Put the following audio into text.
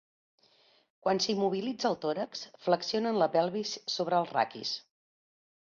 Quan s'immobilitza el tòrax, flexionen la pelvis sobre el raquis.